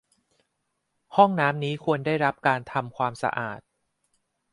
ห้องน้ำนี้ควรได้รับการทำความสะอาด